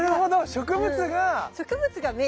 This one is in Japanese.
植物が。